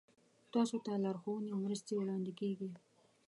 تاسو ته لارښوونې او مرستې وړاندې کیږي.